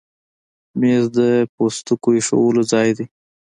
مېز د پوستکو ایښودو ځای دی.